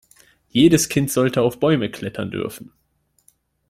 Jedes Kind sollte auf Bäume klettern dürfen.